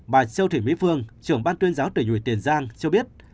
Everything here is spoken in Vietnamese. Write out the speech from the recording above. bà châu thị mỹ phương trưởng ban tuyên giáo tỉnh uỷ tiền giang cho biết